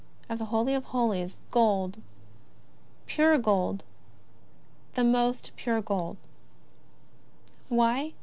of the Hoi J of Holies"'^ gold, pure gold, most pure gold." Why?